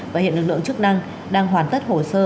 và hiện lực lượng chức năng đang hoàn tất hồ sơ